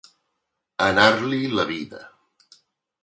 Anar-l'hi la vida.